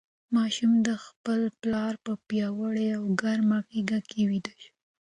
ماشوم د خپل پلار په پیاوړې او ګرمه غېږ کې ویده شو.